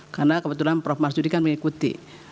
karena kebetulan prof marsudi kan mengikuti